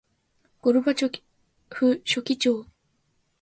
ゴルバチョフ書記長